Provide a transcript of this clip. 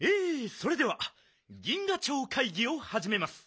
それでは銀河町かいぎをはじめます。